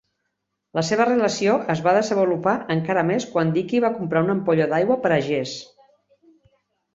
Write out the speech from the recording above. La seva relació es va desenvolupar encara més quan Dicky va comprar una ampolla d'aigua per a Jess.